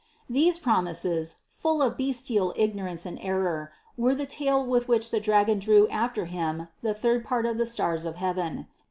These promises, full of bes tial ignorance and error, were the tail with which the dragon drew after him the third part of the stars of heaven.